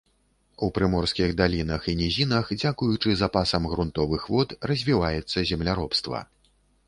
У прыморскіх далінах і нізінах дзякуючы запасам грунтавых вод развіваецца земляробства.